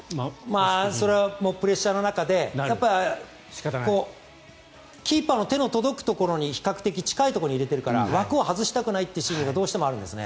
それはプレッシャーの中でキーパーの手の届くところに比較的近いところに入れているから枠を外したくないという心理がどうしてもあるんですね。